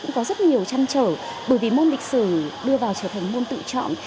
môn lịch sử thấy cũng có rất nhiều trăn trở bởi vì môn lịch sử đưa vào trở thành môn tự chọn